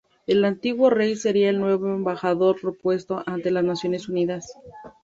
El antiguo rey sería el nuevo embajador propuesto ante las Naciones Unidas.